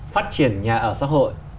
phát triển nhà ở xã hội